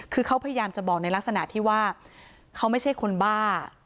คือเขาพยายามจะบอกในลักษณะที่ว่าเขาไม่ใช่คนบ้า